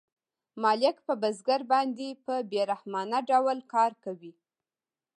مالک په بزګر باندې په بې رحمانه ډول کار کوي